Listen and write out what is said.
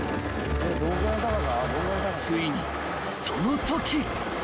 ［ついにそのとき］